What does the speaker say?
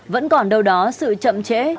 vẫn còn đâu đó sự chậm chế